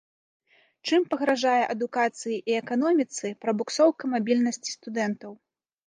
Чым пагражае адукацыі і эканоміцы прабуксоўка мабільнасці студэнтаў.